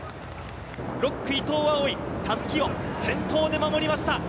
６区、伊藤蒼唯、たすきを先頭で守りました。